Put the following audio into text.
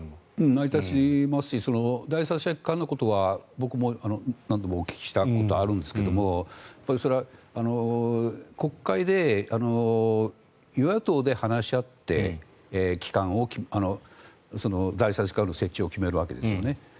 成り立ちますし第三者機関のことは僕も何度もお聞きしたことがあるんですがそれは国会で与野党で話し合って第三者機関の設置を決めるわけですね。